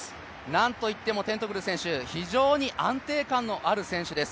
なんといってもテントグル選手、非常に安定感のある選手です。